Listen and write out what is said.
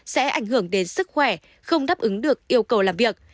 sẽ ảnh hưởng đến sức khỏe không đáp ứng được yêu cầu làm việc